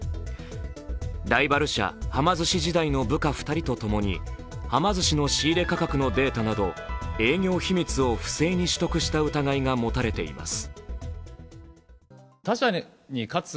ライバル社、はま寿司時代の部下２人とともにはま寿司の仕入れ価格のデータなど営業秘密を不正に取得した疑いが持たれています。